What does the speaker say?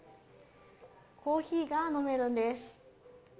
コーヒーが飲めるんです。